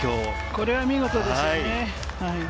これは見事ですよね。